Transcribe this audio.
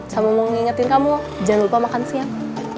sama mau ngingetin kamu jangan lupa makan siang